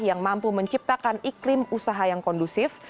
yang mampu menciptakan iklim usaha yang kondusif